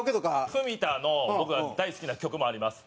文田の僕は大好きな曲もあります。